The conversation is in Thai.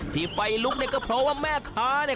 ที่ไฟลุกก็เพราะว่าแม่ค้าพัดที่ไฟลุกที